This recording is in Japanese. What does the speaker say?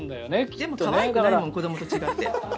でも可愛くないもん子どもと違って。